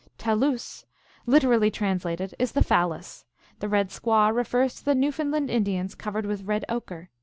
Taloose, literally translated, is the phallus. The red squaw refers to the Newfoundland Indians, cov ered with red ochre.